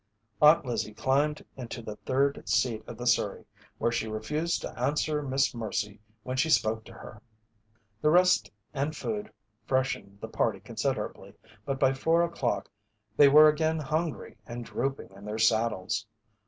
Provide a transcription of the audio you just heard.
Aunt Lizzie climbed into the third seat of the surrey, where she refused to answer Miss Mercy when she spoke to her. The rest and food freshened the party considerably but by four o'clock they were again hungry and drooping in their saddles.